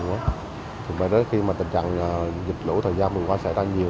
đối với khi tình trạng dịch lũ thời gian vừa qua xảy ra nhiều